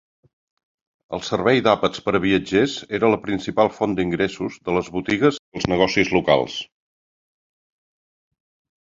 El servei d'àpats per a viatgers era la principal font d'ingressos de les botigues i els negocis locals.